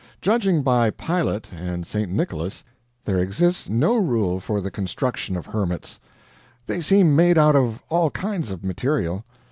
Judging by Pilate and St. Nicholas, there exists no rule for the construction of hermits; they seem made out of all kinds of material.